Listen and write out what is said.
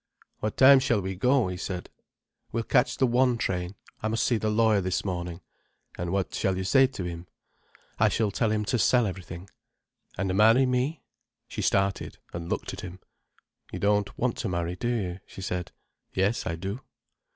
"What time shall we go?" he said. "We'll catch the one train. I must see the lawyer this morning." "And what shall you say to him?" "I shall tell him to sell everything—" "And marry me?" She started, and looked at him. "You don't want to marry, do you?" she said. "Yes, I do."